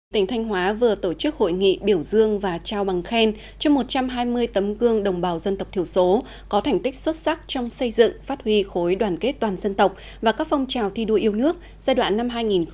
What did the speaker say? tỉnh thanh hóa vừa tổ chức hội nghị biểu dương và trao bằng khen cho một trăm hai mươi tấm gương đồng bào dân tộc thiểu số có thành tích xuất sắc trong xây dựng phát huy khối đoàn kết toàn dân tộc và các phong trào thi đua yêu nước giai đoạn năm hai nghìn một mươi hai nghìn hai mươi